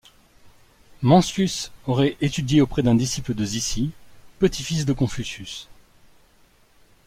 Mencius aurait étudié auprès d'un disciple de Zi Si, petit-fils de Confucius.